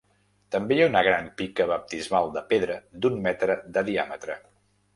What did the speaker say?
També hi ha una gran pica baptismal de pedra d'un metre de diàmetre.